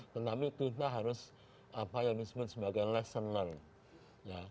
tetapi kita harus apa yang disebut sebagai lesson learned